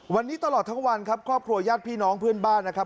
วันนี้ตลอดทั้งวันครับครอบครัวญาติพี่น้องเพื่อนบ้านนะครับ